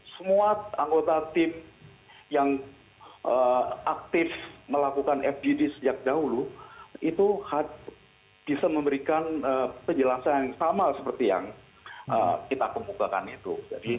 semua anggota tim yang aktif melakukan fgd sejak dahulu itu bisa memberikan penjelasan yang sama seperti yang kita kemukakan itu